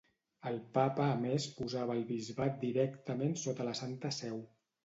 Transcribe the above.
El papa a més posava el bisbat directament sota la Santa Seu.